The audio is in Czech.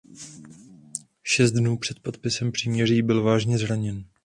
Šest dnů před podpisem příměří byl vážně zraněn.